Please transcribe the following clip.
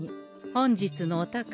本日のお宝